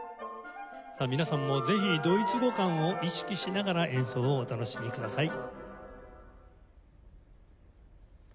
さあ皆さんもぜひドイツ語感を意識しながら演奏をお楽しみください。